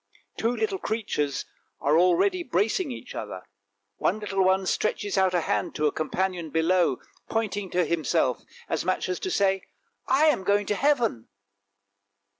Two little creatures are already embracing each other, one little one stretches out a hand to a companion below, pointing to himself as much as to say, " I am going to heaven!